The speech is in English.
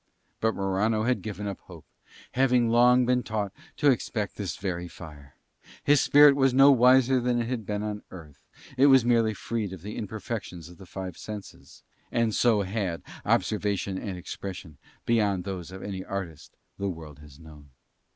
But Morano had given up hope, having long been taught to expect this very fire: his spirit was no wiser than it had been on Earth, it was merely freed of the imperfections of the five senses and so had observation and expression beyond those of any artist the world has known.